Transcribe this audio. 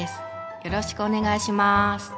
よろしくお願いします。